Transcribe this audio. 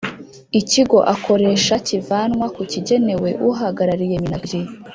ikigoakoresha kivanwa ku kigenewe uhagarariye minagri